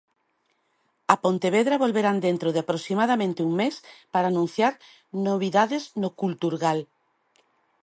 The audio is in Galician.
A Pontevedra volverán dentro de aproximadamente un mes, para anunciar novidades no Culturgal.